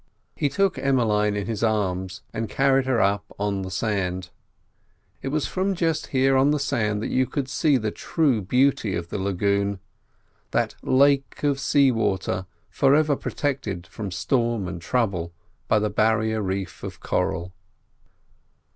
He took Emmeline in his arms and carried her up on the sand. It was from just here on the sand that you could see the true beauty of the lagoon. That lake of sea water forever protected from storm and trouble by the barrier reef of coral.